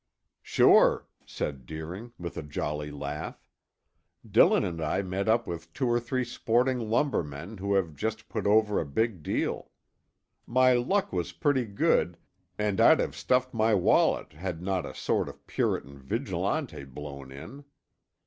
"Sure," said Deering, with a jolly laugh. "Dillon and I met up with two or three sporting lumber men who have just put over a big deal. My luck was pretty good, and I'd have stuffed my wallet had not a sort of Puritan vigilante blown in.